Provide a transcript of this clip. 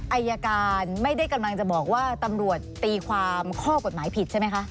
อายการไม่ได้กำลังจะบอกว่าตำรวจตีความข้อกฎหมายผิดใช่ไหมคะ